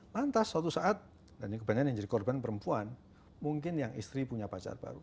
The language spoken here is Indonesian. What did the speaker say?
lantas suatu saat dan ini kebanyakan yang jadi korban perempuan mungkin yang istri punya pacar baru